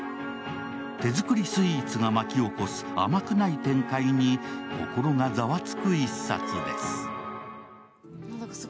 手作りスイーツが巻き起こす甘くない展開に心がざわつく一冊です。